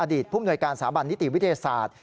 ผู้มนวยการสถาบันนิติวิทยาศาสตร์